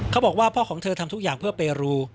เขาบอกว่าพ่อของเธอทำทุกอย่างเพื่อเปรู